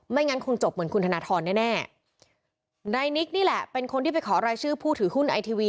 งั้นคงจบเหมือนคุณธนทรแน่แน่นายนิกนี่แหละเป็นคนที่ไปขอรายชื่อผู้ถือหุ้นไอทีวี